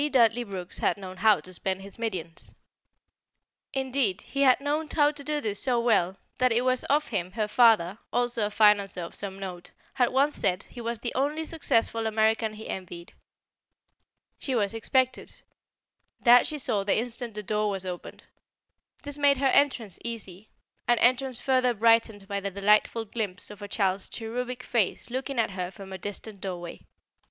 Dudley Brooks had known how to spend his millions. Indeed, he had known how to do this so well that it was of him her father, also a financier of some note, had once said he was the only successful American he envied. She was expected; that she saw the instant the door was opened. This made her entrance easy an entrance further brightened by the delightful glimpse of a child's cherubic face looking at her from a distant doorway.